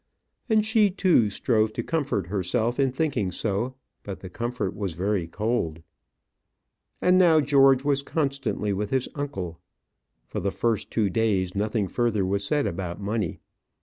And she, too, strove to comfort herself in thinking so; but the comfort was very cold. And now George was constantly with his uncle. For the first two days nothing further was said about money.